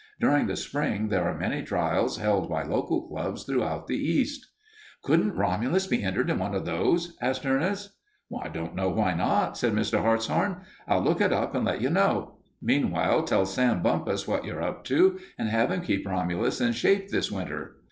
During the spring there are many trials held by local clubs throughout the East." "Couldn't Romulus be entered in one of those?" asked Ernest. "I don't know why not," said Mr. Hartshorn. "I'll look it up and let you know. Meanwhile, tell Sam Bumpus what you're up to and have him keep Romulus in shape this winter."